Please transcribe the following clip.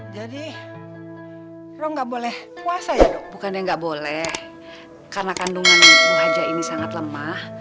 jadi roh nggak boleh puasa ya bukan enggak boleh karena kandungan bu haja ini sangat lemah